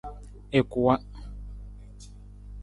I kuwa.